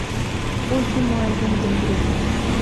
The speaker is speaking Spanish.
Último álbum del grupo.